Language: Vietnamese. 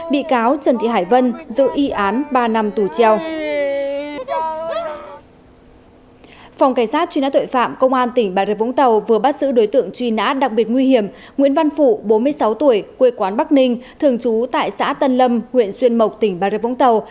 bị cáo trần thị hải vân giữ ý án ba năm tù treo